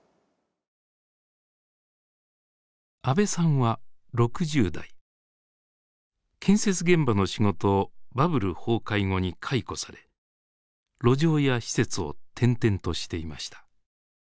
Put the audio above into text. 阿部さんは６０代建設現場の仕事をバブル崩壊後に解雇され路上や施設を転々としていました。